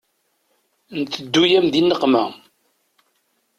Nteddu-yam di nneqma.